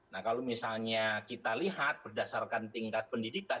nah kalau misalnya kita lihat berdasarkan tingkat pendidikan